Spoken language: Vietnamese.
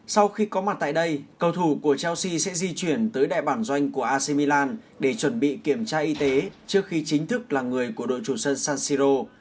sau khi có mặt tại đây cầu thủ của chelsea sẽ di chuyển tới đại bản doanh của ac milan để chuẩn bị kiểm tra y tế trước khi chính thức là người của đội chủ sân san siro